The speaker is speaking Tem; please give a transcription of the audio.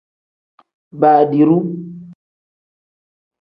Baadiru.